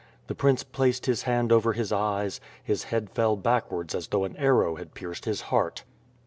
The prince placed his hand over his eyes, his head fell backwards as though an arrow had pierced his heart.